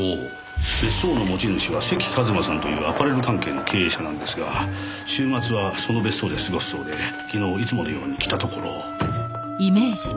別荘の持ち主は関一馬さんというアパレル関係の経営者なんですが週末はその別荘で過ごすそうで昨日いつものように来たところ。